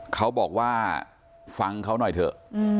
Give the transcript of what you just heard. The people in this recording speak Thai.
เขาบอกว่าฟังเขาหน่อยเถอะ